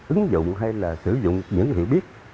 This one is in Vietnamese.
ứng dụng hay là sử dụng những hiệu biết